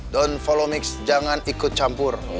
don't follow mix jangan ikut campur